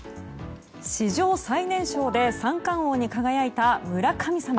史上最年少で三冠王に輝いた村神様。